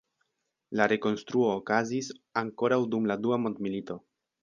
La rekonstruo okazis ankoraŭ dum la Dua Mondmilito.